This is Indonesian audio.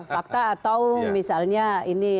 fakta atau misalnya ini